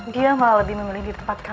dia malah lebih memilih di tempat kami